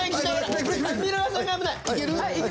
三浦さんが危ない。